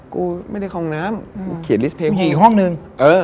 กูไม่ได้คองน้ำเขียนลิสต์เพลงอีกห้องนึง